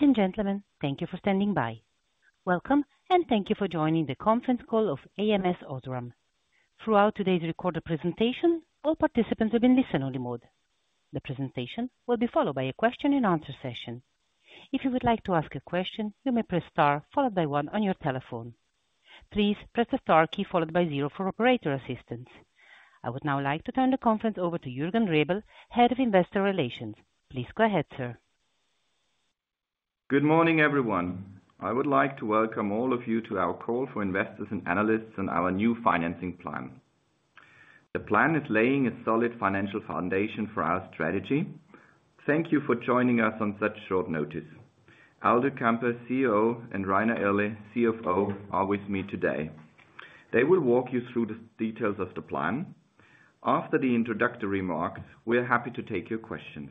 Ladies and gentlemen, thank you for standing by. Welcome, and thank you for joining the conference call of ams OSRAM. Throughout today's recorded presentation, all participants will be in listen-only mode. The presentation will be followed by a question and answer session. If you would like to ask a question, you may press star followed by one on your telephone. Please press the star key followed by zero for operator assistance. I would now like to turn the conference over to Jürgen Rebel, Head of Investor Relations. Please go ahead, sir. Good morning, everyone. I would like to welcome all of you to our call for investors and analysts on our new financing plan. The plan is laying a solid financial foundation for our strategy. Thank you for joining us on such short notice. Aldo Kamper, CEO, and Rainer Irle, CFO, are with me today. They will walk you through the details of the plan. After the introductory remarks, we are happy to take your questions.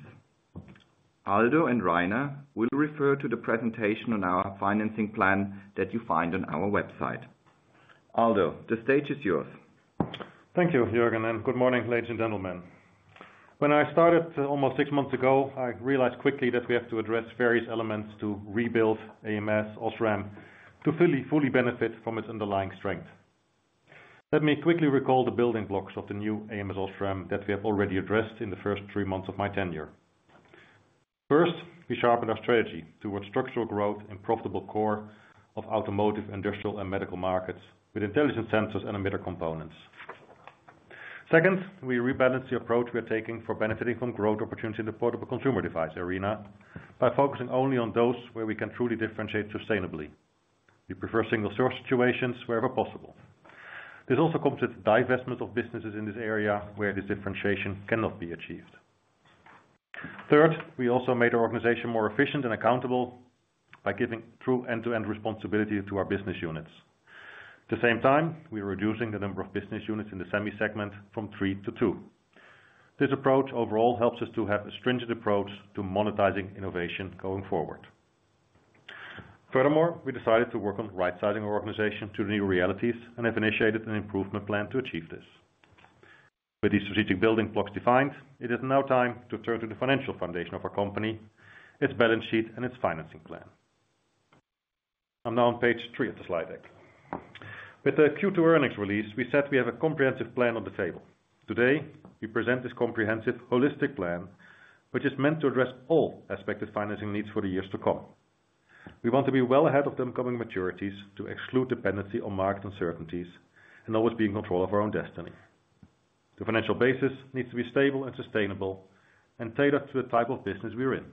Aldo and Rainer will refer to the presentation on our financing plan that you find on our website. Aldo, the stage is yours. Thank you, Jürgen, and good morning, ladies and gentlemen. When I started almost six months ago, I realized quickly that we have to address various elements to rebuild ams OSRAM to fully, fully benefit from its underlying strength. Let me quickly recall the building blocks of the new ams OSRAM that we have already addressed in the first three months of my tenure. First, we sharpened our strategy towards structural growth and profitable core of automotive, industrial, and medical markets with intelligent sensors and emitter components. Second, we rebalanced the approach we are taking for benefiting from growth opportunities in the portable consumer device arena by focusing only on those where we can truly differentiate sustainably. We prefer single-source situations wherever possible. This also comes with divestment of businesses in this area where the differentiation cannot be achieved. Third, we also made our organization more efficient and accountable by giving true end-to-end responsibility to our business units. At the same time, we're reducing the number of business units in the semi segment from three to two. This approach overall helps us to have a stringent approach to monetizing innovation going forward. Furthermore, we decided to work on right-sizing our organization to new realities and have initiated an improvement plan to achieve this. With these strategic building blocks defined, it is now time to turn to the financial foundation of our company, its balance sheet, and its financing plan. I'm now on page three of the slide deck. With the Q2 earnings release, we said we have a comprehensive plan on the table. Today, we present this comprehensive, holistic plan, which is meant to address all aspects of financing needs for the years to come. We want to be well ahead of the incoming maturities to exclude dependency on market uncertainties and always be in control of our own destiny. The financial basis needs to be stable and sustainable and tailored to the type of business we are in.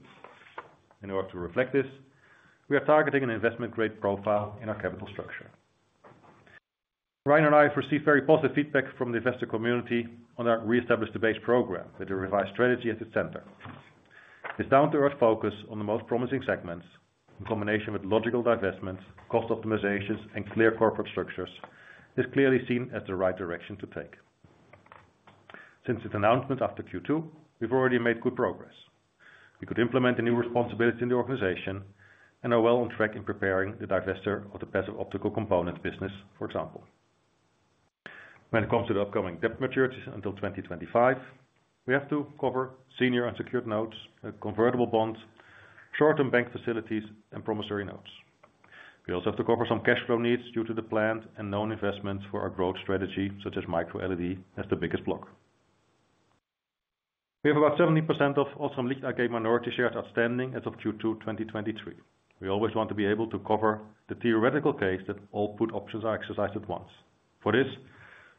In order to reflect this, we are targeting an investment-grade profile in our capital structure. Rainer and I have received very positive feedback from the investor community on our Reestablish the Base program, with a revised strategy at its center. This down-to-earth focus on the most promising segments, in combination with logical divestments, cost optimizations, and clear corporate structures, is clearly seen as the right direction to take. Since its announcement after Q2, we've already made good progress. We could implement the new responsibility in the organization and are well on track in preparing the divestiture of the passive optical component business, for example. When it comes to the upcoming debt maturities until 2025, we have to cover senior unsecured notes, convertible bonds, short-term bank facilities, and promissory notes. We also have to cover some cash flow needs due to the planned and known investments for our growth strategy, such as microLED, as the biggest block. We have about 70% of OSRAM Licht AG minority shares outstanding as of Q2 2023. We always want to be able to cover the theoretical case that all put options are exercised at once. For this,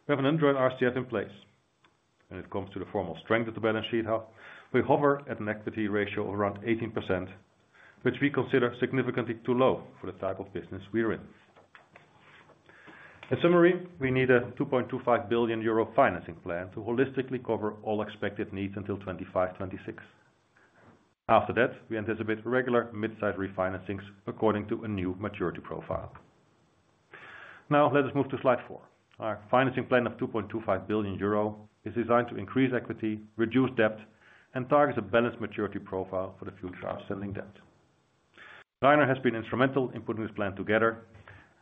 we have an RCF in place. When it comes to the financial strength of the balance sheet, we hover at an equity ratio of around 18%, which we consider significantly too low for the type of business we are in. In summary, we need a 2.25 billion euro financing plan to holistically cover all expected needs until 2025, 2026. After that, we anticipate regular mid-sized refinancings according to a new maturity profile. Now, let us move to slide four. Our financing plan of 2.25 billion euro is designed to increase equity, reduce debt, and target a balanced maturity profile for the future outstanding debt. Rainer has been instrumental in putting this plan together.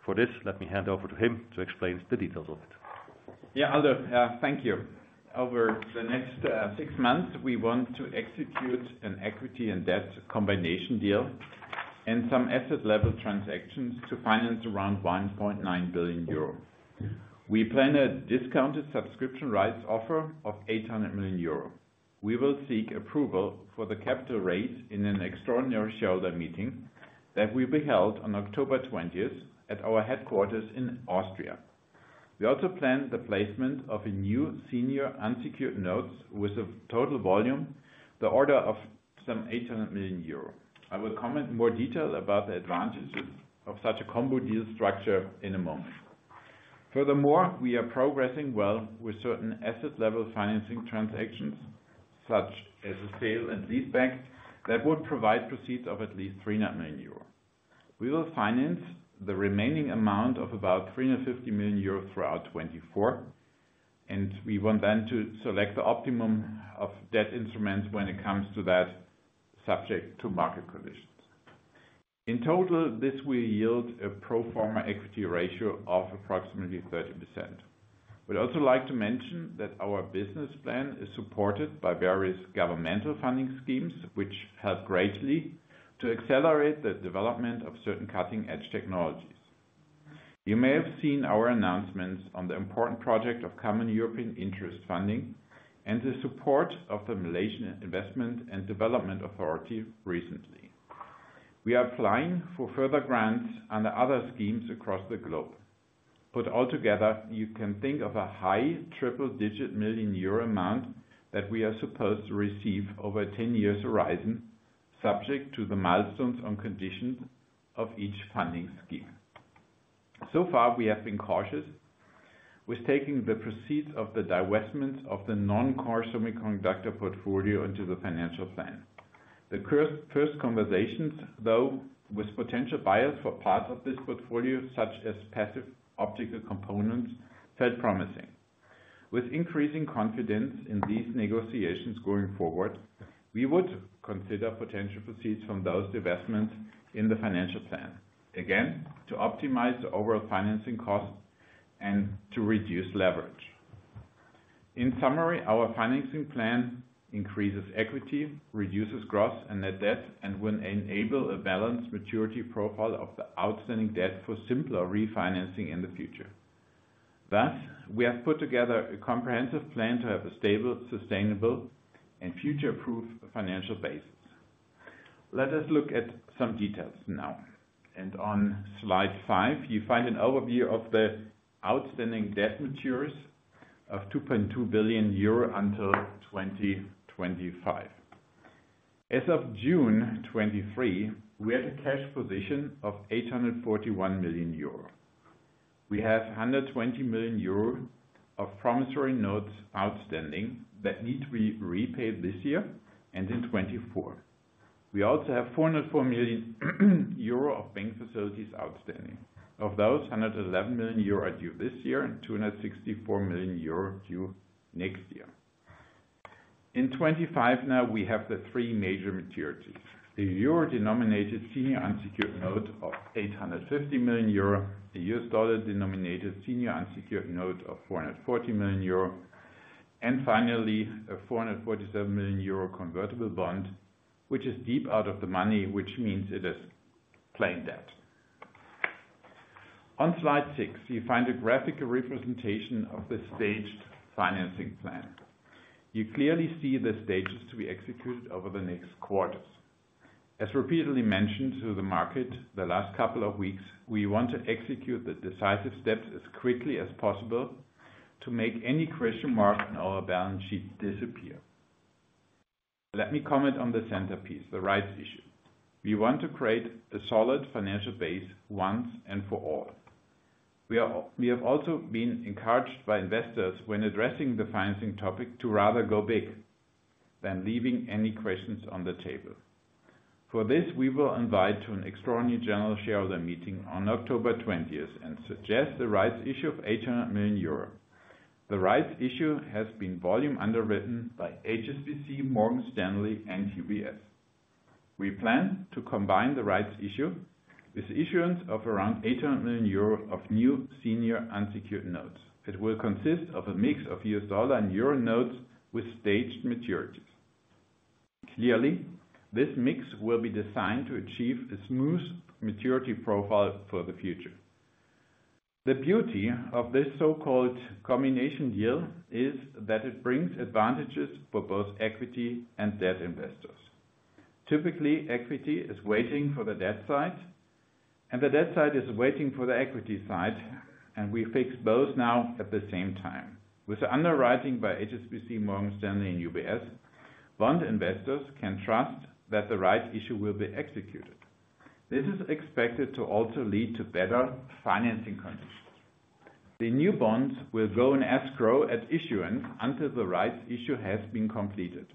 For this, let me hand over to him to explain the details of it. Yeah, Aldo, thank you. Over the next six months, we want to execute an equity and debt combination deal and some asset-level transactions to finance around 1.9 billion euro. We plan a discounted subscription rights offer of 800 million euro. We will seek approval for the capital raise in an extraordinary shareholder meeting that will be held on October twentieth at our headquarters in Austria. We also plan the placement of a new senior unsecured note with a total volume, the order of some 800 million euro. I will comment in more detail about the advantages of such a combo deal structure in a moment. Furthermore, we are progressing well with certain asset-level financing transactions, such as a sale and leaseback, that would provide proceeds of at least 300 million euro. We will finance the remaining amount of about 350 million euro throughout 2024, and we want then to select the optimum of debt instruments when it comes to that, subject to market conditions. In total, this will yield a pro forma equity ratio of approximately 30%. We'd also like to mention that our business plan is supported by various governmental funding schemes, which help greatly to accelerate the development of certain cutting-edge technologies. You may have seen our announcements on the Important Project of Common European Interest funding and the support of the Malaysian Investment Development Authority recently. We are applying for further grants and other schemes across the globe, but altogether, you can think of a high triple-digit million EUR amount that we are supposed to receive over a 10-year horizon, subject to the milestones and conditions of each funding scheme. So far, we have been cautious with taking the proceeds of the divestment of the non-core semiconductor portfolio into the financial plan. The first conversations, though, with potential buyers for part of this portfolio, such as passive optical components, felt promising. With increasing confidence in these negotiations going forward, we would consider potential proceeds from those divestments in the financial plan, again, to optimize the overall financing costs and to reduce leverage. In summary, our financing plan increases equity, reduces gross and net debt, and will enable a balanced maturity profile of the outstanding debt for simpler refinancing in the future. Thus, we have put together a comprehensive plan to have a stable, sustainable and future-proof financial base. Let us look at some details now. On slide five, you find an overview of the outstanding debt matures of 2.2 billion euro until 2025. As of June 2023, we had a cash position of 841 million euro. We have 120 million euro of promissory notes outstanding that need to be repaid this year and in 2024. We also have 404 million euro of bank facilities outstanding. Of those, 111 million euro are due this year and 264 million euro due next year. In 2025, now we have the three major maturities: the euro-denominated senior unsecured note of 850 million euro, the US dollar-denominated senior unsecured note of $440 million, and finally, a 447 million euro convertible bond, which is deep out of the money, which means it is plain debt. On slide six, you find a graphic representation of the staged financing plan. You clearly see the stages to be executed over the next quarters. As repeatedly mentioned to the market the last couple of weeks, we want to execute the decisive steps as quickly as possible to make any question mark on our balance sheet disappear. Let me comment on the centerpiece, the rights issue. We want to create a solid financial base once and for all. We have also been encouraged by investors when addressing the financing topic, to rather go big than leaving any questions on the table. For this, we will invite to an extraordinary general shareholder meeting on October twentieth, and suggest the rights issue of 800 million euro. The rights issue has been volume underwritten by HSBC, Morgan Stanley, and UBS. We plan to combine the rights issue with issuance of around 800 million euro of new senior unsecured notes. It will consist of a mix of U.S. dollar and euro notes with staged maturities. Clearly, this mix will be designed to achieve a smooth maturity profile for the future. The beauty of this so-called combination deal is that it brings advantages for both equity and debt investors. Typically, equity is waiting for the debt side, and the debt side is waiting for the equity side, and we fix both now at the same time. With the underwriting by HSBC, Morgan Stanley, and UBS, bond investors can trust that the rights issue will be executed. This is expected to also lead to better financing conditions. The new bonds will go in escrow at issuance until the rights issue has been completed.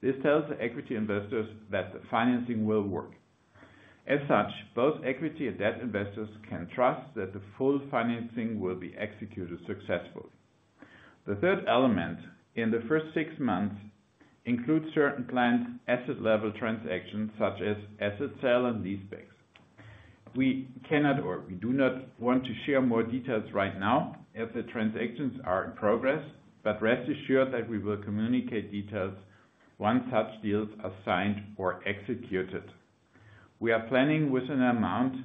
This tells the equity investors that the financing will work. As such, both equity and debt investors can trust that the full financing will be executed successfully. The third element in the first six months includes certain planned asset level transactions, such as asset sale and leasebacks. We cannot or we do not want to share more details right now, as the transactions are in progress, but rest assured that we will communicate details once such deals are signed or executed. We are planning with an amount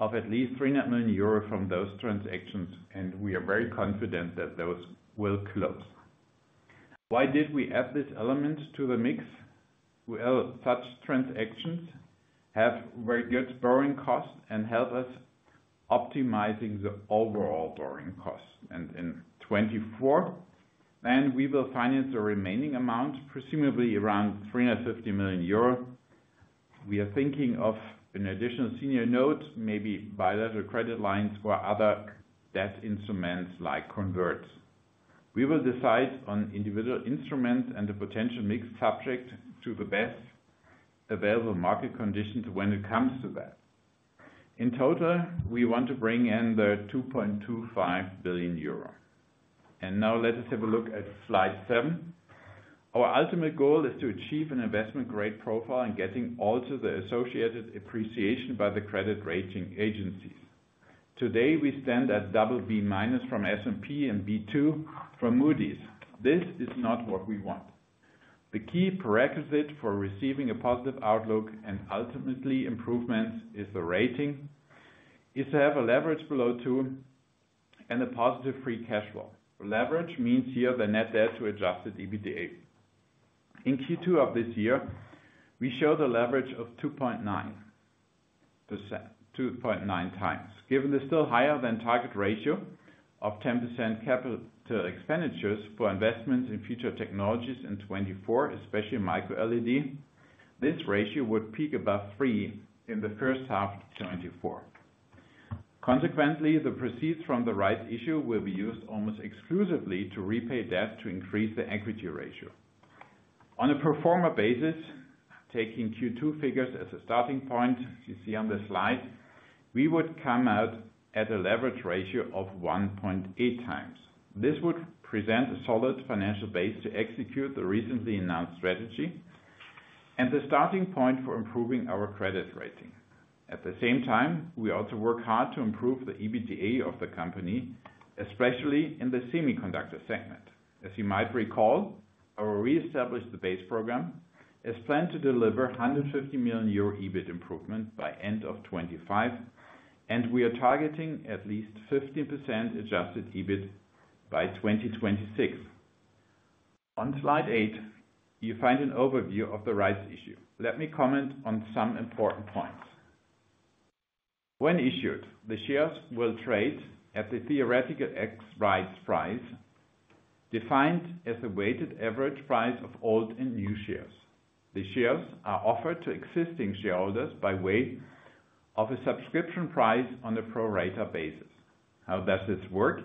of at least 300 million euro from those transactions, and we are very confident that those will close. Why did we add this element to the mix? Well, such transactions have very good borrowing costs and help us optimizing the overall borrowing costs. In 2024, then we will finance the remaining amount, presumably around 350 million euro. We are thinking of an additional senior note, maybe bilateral credit lines or other debt instruments like converts. We will decide on individual instruments and the potential mix subject to the best available market conditions when it comes to that. In total, we want to bring in 2.25 billion euro. Now let us have a look at slide seven. Our ultimate goal is to achieve an Investment Grade profile and getting all to the associated appreciation by the credit rating agencies. Today, we stand at BB- from S&P and B2 from Moody's. This is not what we want. The key prerequisite for receiving a positive outlook and ultimately improvements is the rating, is to have a leverage below two and a positive free cash flow. Leverage means here the net debt to Adjusted EBITDA. In Q2 of this year, we show the leverage of 2.9x, given the still higher than target ratio of 10% capital expenditures for investments in future technologies in 2024, especially micro LED, this ratio would peak above three in the first half 2024. Consequently, the proceeds from the rights issue will be used almost exclusively to repay debt to increase the equity ratio. On a pro forma basis, taking Q2 figures as a starting point, you see on the slide, we would come out at a leverage ratio of 1.8 times. This would present a solid financial base to execute the recently announced strategy and the starting point for improving our credit rating. At the same time, we also work hard to improve the EBITDA of the company, especially in the semiconductor segment. As you might recall, our Reestablish the Base program is planned to deliver 150 million euro EBIT improvement by end of 2025, and we are targeting at least 50% adjusted EBIT by 2026. On slide eight, you find an overview of the rights issue. Let me comment on some important points. When issued, the shares will trade at the theoretical ex-rights price, defined as the weighted average price of old and new shares. The shares are offered to existing shareholders by way of subscription rights on a pro rata basis. How does this work?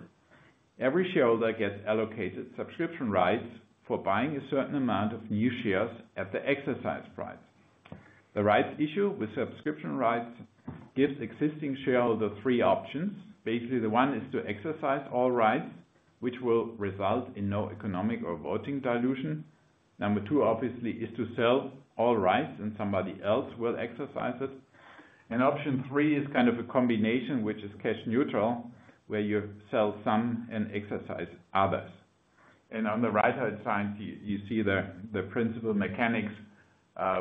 Every shareholder gets allocated subscription rights for buying a certain amount of new shares at the exercise price. The rights issue with subscription rights gives existing shareholders three options. Basically, the one is to exercise all rights, which will result in no economic or voting dilution. Number two, obviously, is to sell all rights and somebody else will exercise it. And option three is kind of a combination, which is cash neutral, where you sell some and exercise others. And on the right-hand side, you see the principal mechanics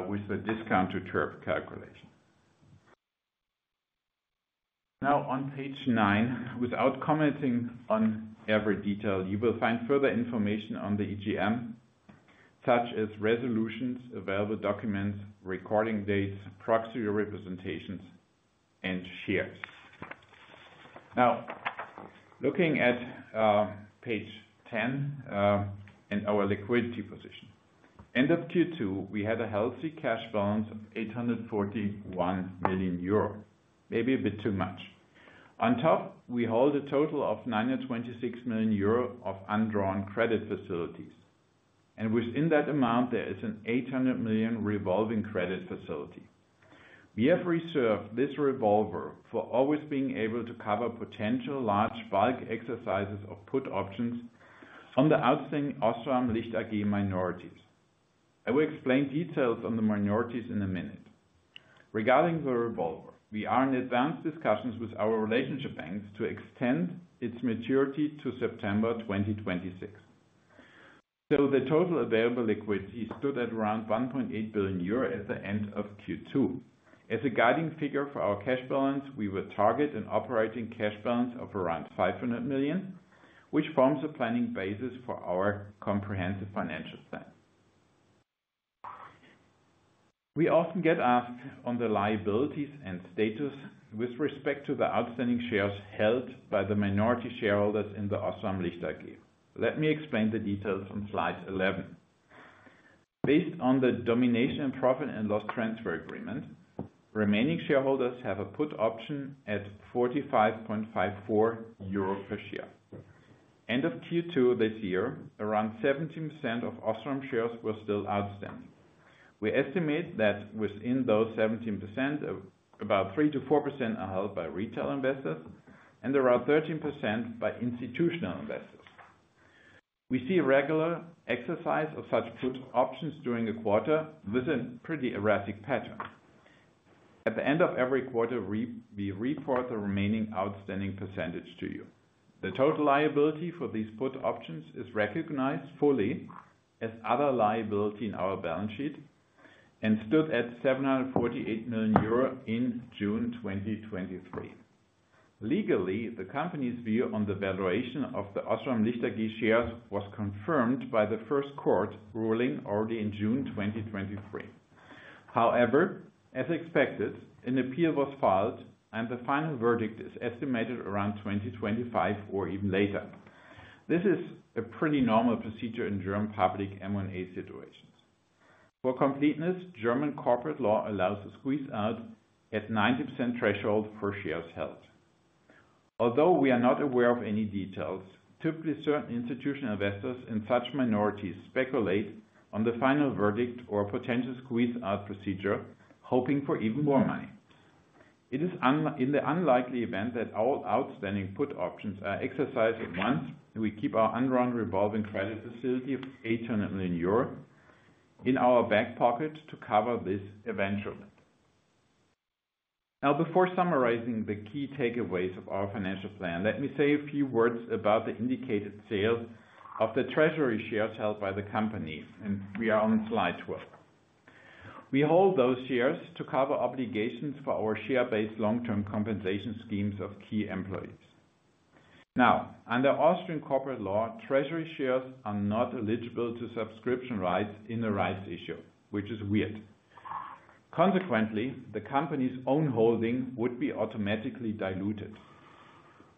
with the discount to TERP calculation. Now, on page nine, without commenting on every detail, you will find further information on the EGM, such as resolutions, available documents, recording dates, proxy representations, and shares. Now, looking at page 10 and our liquidity position. End of Q2, we had a healthy cash balance of 841 million euro, maybe a bit too much. On top, we hold a total of 926 million euro of undrawn credit facilities, and within that amount, there is an 800 million revolving credit facility. We have reserved this revolver for always being able to cover potential large bulk exercises or put options on the outstanding OSRAM Licht AG minorities. I will explain details on the minorities in a minute. Regarding the revolver, we are in advanced discussions with our relationship banks to extend its maturity to September 2026. The total available liquidity stood at around 1.8 billion euro at the end of Q2. As a guiding figure for our cash balance, we will target an operating cash balance of around 500 million, which forms a planning basis for our comprehensive financial plan. We often get asked on the liabilities and status with respect to the outstanding shares held by the minority shareholders in the OSRAM Licht AG. Let me explain the details on slide 11. Based on the Domination and Profit and Loss Transfer Agreement, remaining shareholders have a put option at 45.54 euro per share. End of Q2 this year, around 17% of OSRAM shares were still outstanding. We estimate that within those 17%, about 3%-4% are held by retail investors, and around 13% by institutional investors. We see regular exercise of such put options during the quarter with a pretty erratic pattern. At the end of every quarter, we report the remaining outstanding percentage to you. The total liability for these put options is recognized fully as other liability in our balance sheet and stood at 748 million euro in June 2023. Legally, the company's view on the valuation of the OSRAM Licht AG shares was confirmed by the first court ruling already in June 2023. However, as expected, an appeal was filed and the final verdict is estimated around 2025 or even later. This is a pretty normal procedure in German public M&A situations. For completeness, German corporate law allows a squeeze out at 90% threshold for shares held. Although we are not aware of any details, typically certain institutional investors and such minorities speculate on the final verdict or potential squeeze-out procedure, hoping for even more money... It is in the unlikely event that all outstanding put options are exercised at once, and we keep our undrawn revolving credit facility of 800 million euro in our back pocket to cover this eventuality. Now, before summarizing the key takeaways of our financial plan, let me say a few words about the indicated sale of the treasury shares held by the company, and we are on slide 12. We hold those shares to cover obligations for our share-based long-term compensation schemes of key employees. Now, under Austrian corporate law, treasury shares are not eligible to subscription rights in the rights issue, which is weird. Consequently, the company's own holding would be automatically diluted.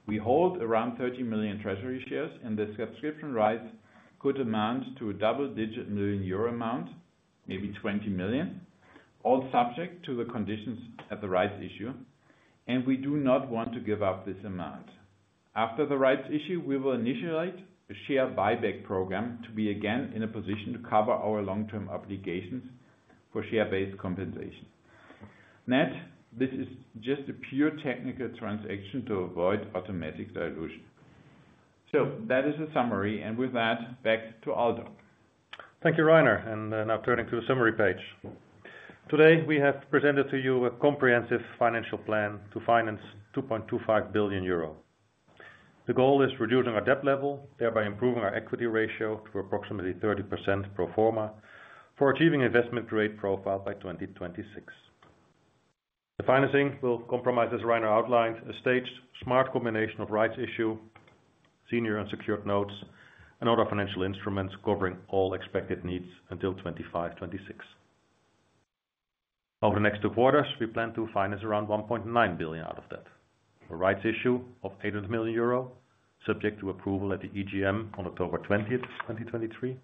We hold around 30 million treasury shares, and the subscription rights could amount to a double-digit million EUR amount, maybe 20 million, all subject to the conditions at the rights issue, and we do not want to give up this amount. After the rights issue, we will initiate a share buyback program to be again in a position to cover our long-term obligations for share-based compensation. Net, this is just a pure technical transaction to avoid automatic dilution. That is a summary, and with that, back to Aldo. Thank you, Rainer. And now turning to the summary page. Today, we have presented to you a comprehensive financial plan to finance 2.25 billion euro. The goal is reducing our debt level, thereby improving our equity ratio to approximately 30% pro forma for achieving investment grade profile by 2026. The financing will comprise, as Rainer outlined, a staged smart combination of rights issue, senior unsecured notes, and other financial instruments covering all expected needs until 2025, 2026. Over the next two quarters, we plan to finance around 1.9 billion out of that. A rights issue of 800 million euro, subject to approval at the EGM on October 20, 2023.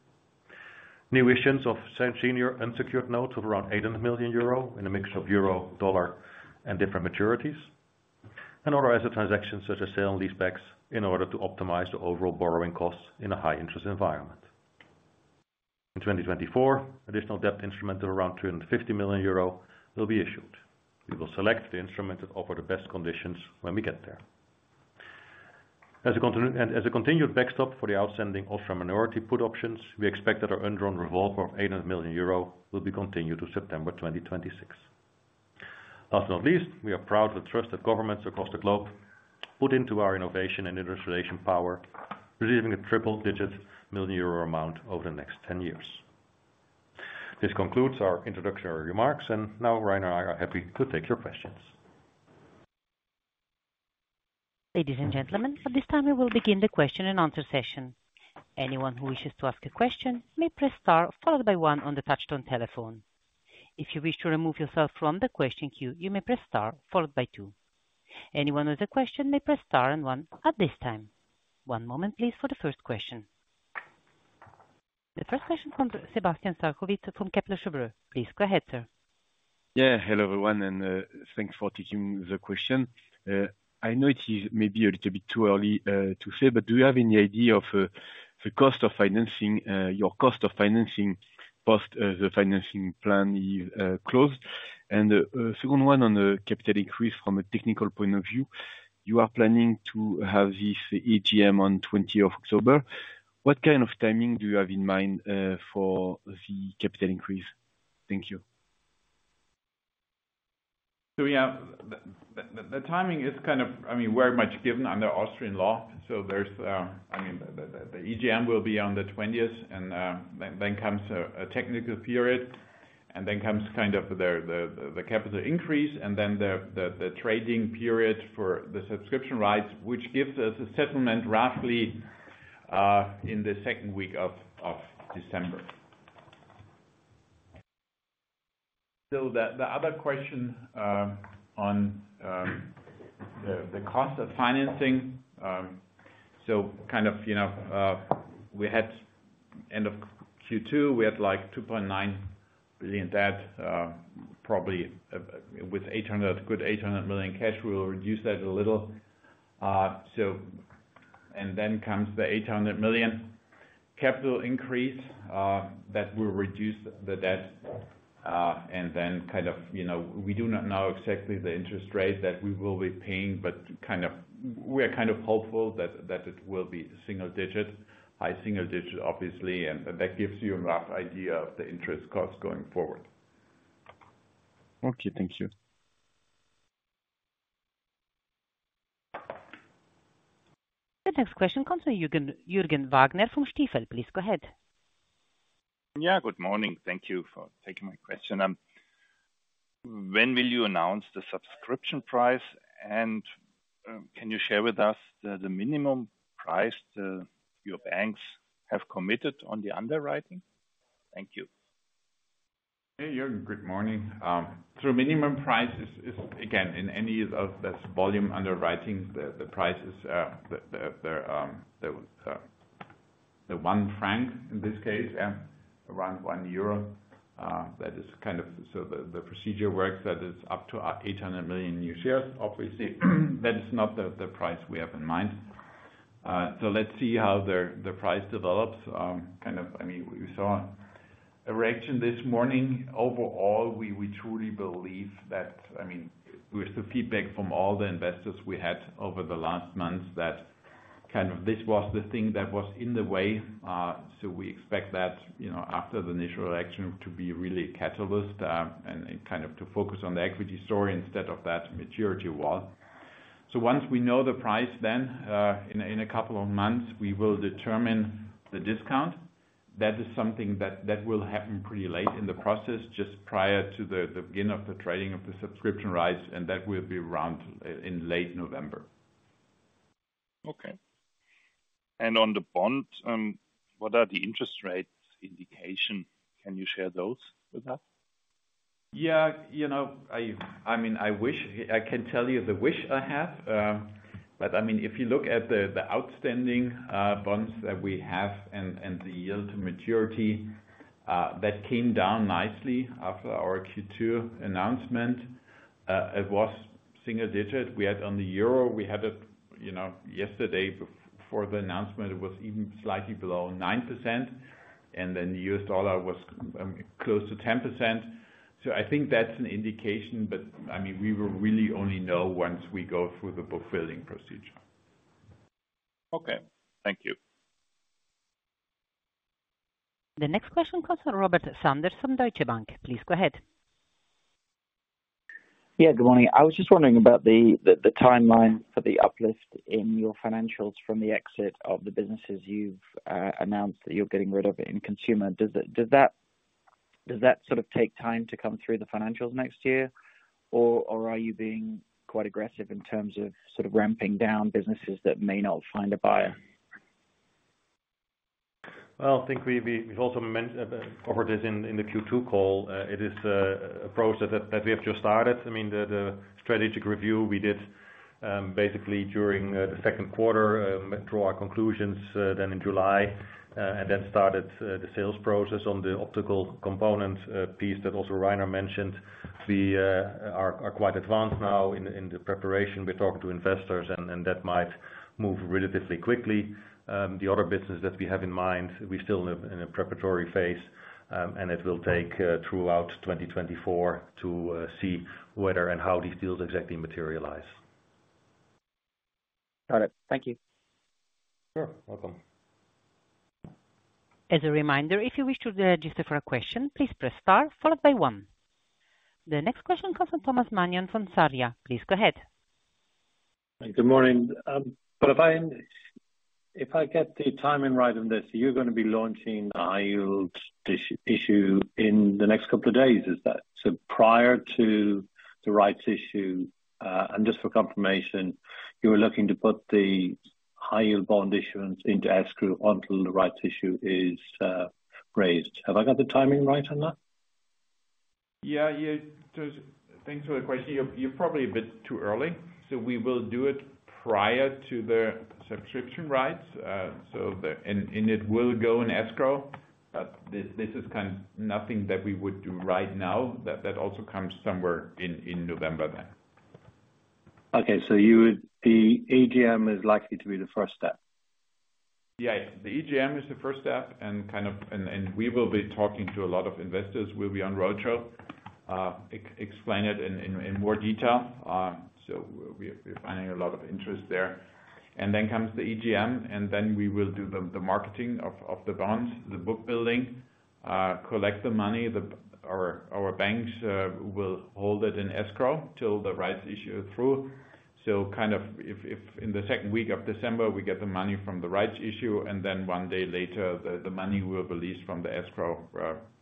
New issuance of senior unsecured notes of around 800 million euro in a mix of euro, dollar, and different maturities, and other asset transactions, such as sale and leasebacks, in order to optimize the overall borrowing costs in a high interest environment. In 2024, additional debt instrument of around 250 million euro will be issued. We will select the instruments that offer the best conditions when we get there. As a continued backstop for the outstanding Austrian minority put options, we expect that our undrawn revolver of 800 million euro will be continued to September 2026. Last but not least, we are proud of the trust that governments across the globe put into our innovation and industrialization power, receiving a triple-digit million EUR amount over the next ten years. This concludes our introductory remarks, and now Rainer and I are happy to take your questions. Ladies and gentlemen, at this time, we will begin the question and answer session. Anyone who wishes to ask a question may press star, followed by one on the touchtone telephone. If you wish to remove yourself from the question queue, you may press star followed by two. Anyone with a question may press star and one at this time. One moment, please, for the first question. The first question from Sébastien Sztabowicz from Kepler Cheuvreux. Please go ahead, sir. Yeah, hello, everyone, and thanks for taking the question. I know it is maybe a little bit too early to say, but do you have any idea of the cost of financing, your cost of financing post the financing plan is closed? And second one, on the capital increase from a technical point of view, you are planning to have this EGM on 20 October. What kind of timing do you have in mind for the capital increase? Thank you. Yeah, the timing is kind of, I mean, very much given under Austrian law. So there's, I mean, the EGM will be on the twentieth and, then comes a technical period, and then comes kind of the capital increase, and then the trading period for the subscription rights, which gives us a settlement roughly in the second week of December. So the other question on the cost of financing. So kind of, you know, we had end of Q2, we had, like, 2.9 billion debt, probably with 800 million cash, we will reduce that a little. So, and then comes the 800 million capital increase, that will reduce the debt. And then, kind of, you know, we do not know exactly the interest rate that we will be paying, but kind of, we are kind of hopeful that it will be single digit, high single digit, obviously, and that gives you a rough idea of the interest cost going forward. Okay. Thank you. The next question comes from Jürgen, Jürgen Wagner from Stifel. Please go ahead. Yeah, good morning. Thank you for taking my question. When will you announce the subscription price? And, can you share with us the, the minimum price, your banks have committed on the underwriting? Thank you. Hey, Jürgen, good morning. So minimum price is again in any of this volume underwriting, the prices, the 1 franc, in this case, yeah, around 1 euro. That is kind of... So the procedure works, that is up to 800 million new shares. Obviously, that is not the price we have in mind. So let's see how the price develops. Kind of, I mean, we saw a reaction this morning. Overall, we truly believe that—I mean, with the feedback from all the investors we had over the last months, that kind of this was the thing that was in the way. So we expect that, you know, after the initial election, to be really a catalyst, and kind of to focus on the equity story instead of that maturity wall. So once we know the price then, in a couple of months, we will determine the discount. That is something that will happen pretty late in the process, just prior to the beginning of the trading of the subscription rights, and that will be around in late November. Okay. On the bond, what are the interest rates indication? Can you share those with us? Yeah, you know, I mean, I wish I can tell you the wish I have. But I mean, if you look at the outstanding bonds that we have and the yield to maturity that came down nicely after our Q2 announcement. It was single digit. We had on the euro, we had a, you know, yesterday, before the announcement, it was even slightly below 9%, and then the U.S. dollar was close to 10%. So I think that's an indication, but I mean, we will really only know once we go through the book-building procedure. Okay, thank you. The next question comes from Robert Sanders from Deutsche Bank. Please go ahead. Yeah, good morning. I was just wondering about the timeline for the uplift in your financials from the exit of the businesses you've announced that you're getting rid of in consumer. Does that sort of take time to come through the financials next year? Or are you being quite aggressive in terms of sort of ramping down businesses that may not find a buyer? Well, I think we, we've also mentioned this in the Q2 call. It is a process that we have just started. I mean, the strategic review we did basically during the second quarter, draw our conclusions then in July, and then started the sales process on the optical component piece that also Rainer mentioned. We are quite advanced now in the preparation. We're talking to investors, and that might move relatively quickly. The other business that we have in mind, we're still in a preparatory phase, and it will take throughout 2024 to see whether and how these deals exactly materialize. Got it. Thank you. Sure. Welcome. As a reminder, if you wish to register for a question, please press star followed by one. The next question comes from Thomas Mannion from Sarria. Please go ahead. Good morning. But if I, if I get the timing right on this, you're gonna be launching a high-yield issue in the next couple of days, is that? So prior to the rights issue, and just for confirmation, you were looking to put the high-yield bond issuance into escrow until the rights issue is raised. Have I got the timing right on that? Yeah, yeah. So thanks for the question. You're probably a bit too early, so we will do it prior to the subscription rights. And it will go in escrow, but this is kind of nothing that we would do right now. That also comes somewhere in November then. Okay, so the EGM is likely to be the first step? Yeah, the EGM is the first step and kind of, and we will be talking to a lot of investors. We'll be on roadshow, explain it in more detail. So we're finding a lot of interest there. And then comes the EGM, and then we will do the marketing of the bonds, the book building, collect the money. Our banks will hold it in escrow till the rights issue is through. So kind of if in the second week of December, we get the money from the rights issue, and then one day later, the money will release from the escrow,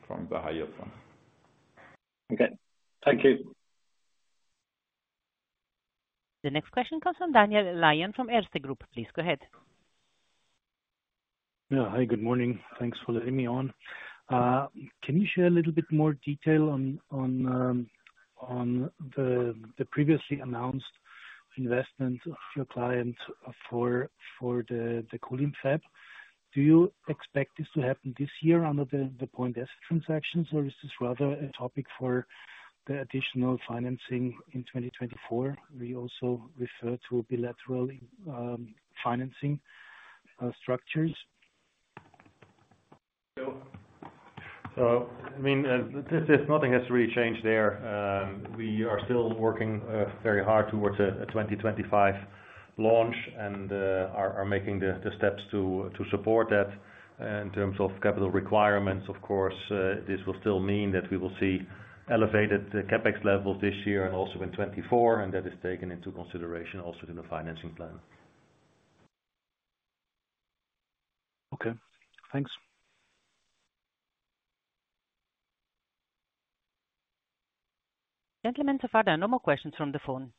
from the higher fund. Okay. Thank you. The next question comes from Daniel Lion from Erste Group. Please go ahead. Yeah. Hi, good morning. Thanks for letting me on. Can you share a little bit more detail on the previously announced investment of your client for the cooling fab? Do you expect this to happen this year under the Point S transaction, or is this rather a topic for the additional financing in 2024? We also refer to bilateral financing structures. So, I mean, there's nothing has really changed there. We are still working very hard towards a 2025 launch and are making the steps to support that. In terms of capital requirements, of course, this will still mean that we will see elevated CapEx levels this year and also in 2024, and that is taken into consideration also in the financing plan. Okay, thanks. Gentlemen, so far there are no more questions from the phone.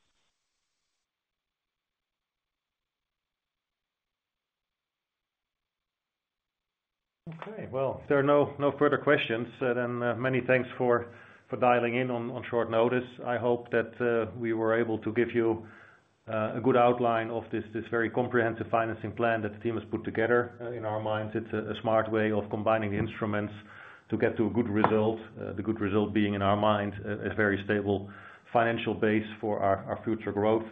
Okay, well, if there are no further questions, then many thanks for dialing in on short notice. I hope that we were able to give you a good outline of this very comprehensive financing plan that the team has put together. In our minds, it's a smart way of combining instruments to get to a good result. The good result being, in our mind, a very stable financial base for our future growth.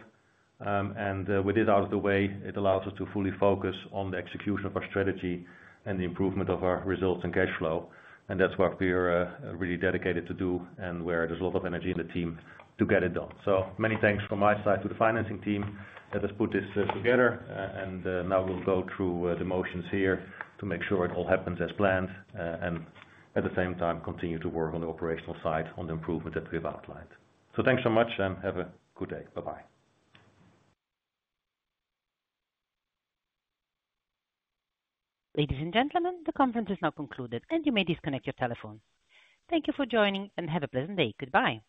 With it out of the way, it allows us to fully focus on the execution of our strategy and the improvement of our results and cash flow. That's what we are really dedicated to do, and where there's a lot of energy in the team to get it done. So many thanks from my side to the financing team that has put this together. And now we'll go through the motions here to make sure it all happens as planned, and at the same time, continue to work on the operational side on the improvement that we have outlined. So thanks so much, and have a good day. Bye-bye. Ladies and gentlemen, the conference is now concluded, and you may disconnect your telephone. Thank you for joining, and have a pleasant day. Goodbye.